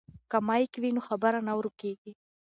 که مایک وي نو خبره نه ورکیږي.